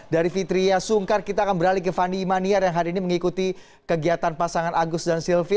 dari fitriya sungkar kita akan beralih ke fani imaniar yang hari ini mengikuti kegiatan pasangan agus dan silvi